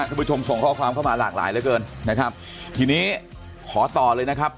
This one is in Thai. ผู้ชมส่งข้อความเข้ามาหลากหลายเหลือเกินนะครับทีนี้ขอต่อเลยนะครับ